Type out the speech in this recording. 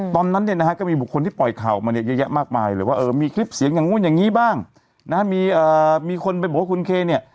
ก็มีการไปวิสูจน์ทราบกัน